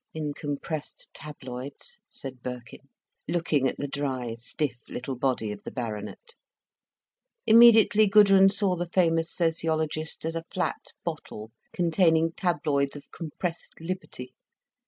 "In compressed tabloids," said Birkin, looking at the dry, stiff little body of the Baronet. Immediately Gudrun saw the famous sociologist as a flat bottle, containing tabloids of compressed liberty.